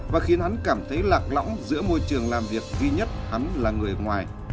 và khiến hắn cảm thấy lạc lõng giữa môi trường làm việc duy nhất hắn là người ngoài